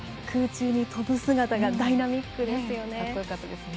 空中にとぶ姿がダイナミックですよね。